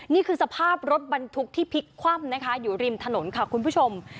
นี่คือสภาพรถบรรทุกที่พลิกคว่ำนะคะอยู่ริมถนนค่ะคุณผู้ชม